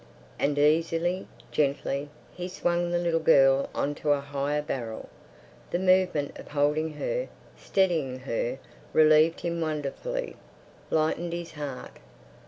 And easily, gently, he swung the little girl on to a higher barrel. The movement of holding her, steadying her, relieved him wonderfully, lightened his heart.